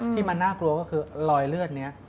ที่มันน่ากลัวก็คือรอยเลือดนี้